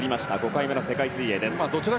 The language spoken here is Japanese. ５回目の世界水泳。